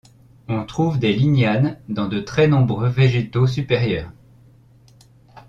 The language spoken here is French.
On trouve des lignanes dans de très nombreux végétaux supérieurs.